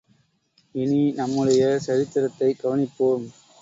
இனி நம்முடைய சரித்திரத்தைக் கவனிப்போம்.